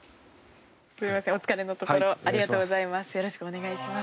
お疲れのところありがとうございます。